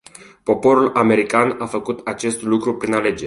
Poporul american a făcut acest lucru prin alegeri.